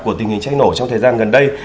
của tình hình cháy nổ trong thời gian gần đây